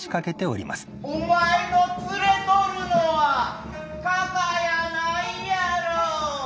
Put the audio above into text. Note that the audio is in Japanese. ・お前の連れとるのはカカやないやろ。